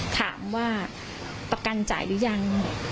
ถามว่าประกันจ่ายหรือยัง